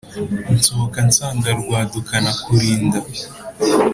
nsohoka nsanga rwadukanakurinda